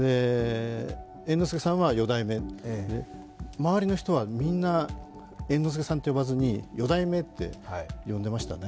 猿之助さんは四代目周りの人はみんな猿之助さんと呼ばずに四代目って呼んでましたね